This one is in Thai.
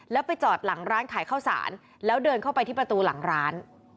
แล้วไปจอดหลังร้านขายข้าวสารแล้วเดินเข้าไปที่ประตูหลังร้าน